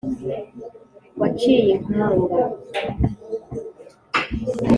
waciye inkamba.